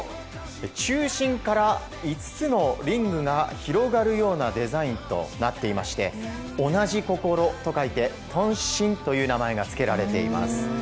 中心から５つのリングが広がるようなデザインとなっていて同じ心と書いて同心という名前がつけられています。